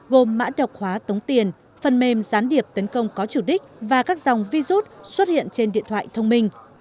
gồm mã độc hóa tống tiền phần mềm gián điệp tấn công có chủ đích và các dòng virus xuất hiện trên điện thoại thông minh